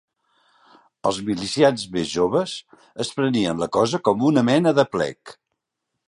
Els milicians més joves, es prenien la cosa com una mena d'aplec